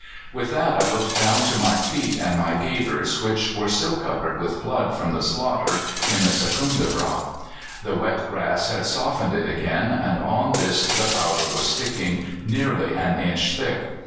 "With that I looked down to my feet and my gaiters, which were still covered with blood from the slaughter in the Secundrabâgh. The wet grass had softened it again, and on this the powder was sticking nearly an inch thick.